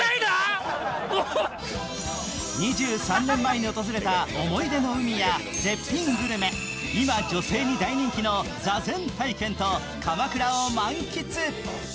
２３年前に訪れた思い出の海や絶品グルメ、今、女性に大人気の座禅体験と鎌倉を満喫。